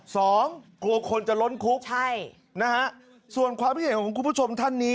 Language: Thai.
กลัวคนจะล้นคุกใช่นะฮะส่วนความคิดเห็นของคุณผู้ชมท่านนี้